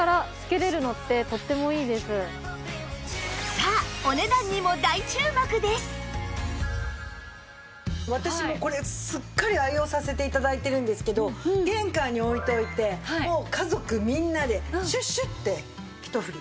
さあ私もこれすっかり愛用させて頂いてるんですけど玄関に置いておいてもう家族みんなでシュッシュッてひと振り。